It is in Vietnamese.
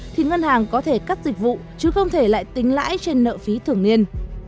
thì ngân hàng có thể cắt dịch vụ chứ không thể lại tính lãi trên nợ phí thường niên